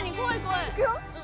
いくよ。